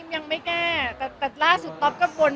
ยังไม่แก้แต่ล่าสุดต๊อบก็บนมา๗ชั่ว